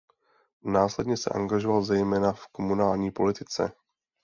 Následně se angažoval zejména v komunální politice.